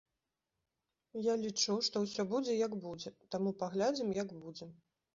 Я лічу, што ўсё будзе як будзе, таму паглядзім, як будзе.